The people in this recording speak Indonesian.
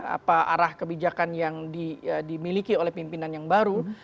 apa arah kebijakan yang dimiliki oleh pimpinan yang baru